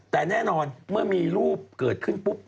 แต่แน่นอนเมื่อมีรูปเกิดขึ้นปุ๊บ